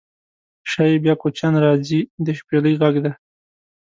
شایي بیا کوچیان راځي د شپیلۍ غږدی